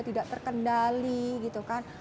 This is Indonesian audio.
tidak terkendali gitu kan